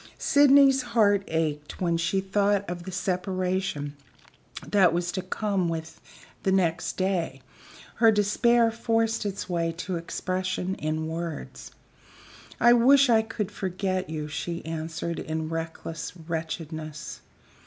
Sydney's heart ached when she thought of the separation that was to come with the next day; her despair forced its way to expression in words. "I wish I could forget you," she answered, in reckless wretchedness.